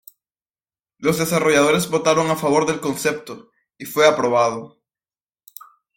Los desarrolladores votaron a favor del concepto, y fue aprobado.